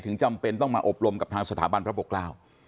จำเป็นต้องมาอบรมกับทางสถาบันพระปกเกล้า